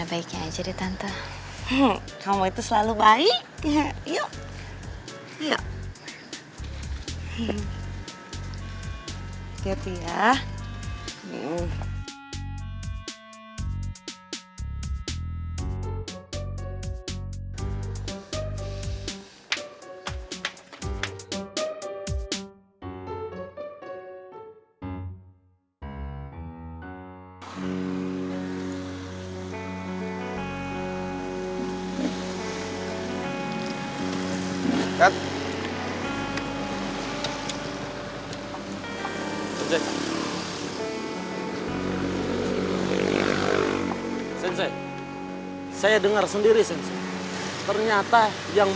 apa kata si ganteng